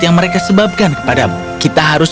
yang mereka sebabkan kepadamu kita harus